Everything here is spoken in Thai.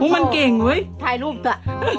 มันเก่งเว้ยถ่ายรูปจ้ะ